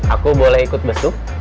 aku boleh ikut besok